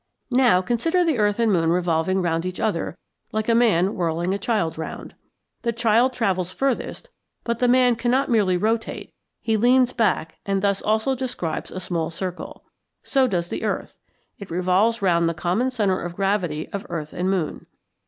Now consider the earth and moon revolving round each other like a man whirling a child round. The child travels furthest, but the man cannot merely rotate, he leans back and thus also describes a small circle: so does the earth; it revolves round the common centre of gravity of earth and moon (_cf.